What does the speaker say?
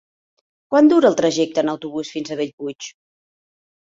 Quant dura el trajecte en autobús fins a Bellpuig?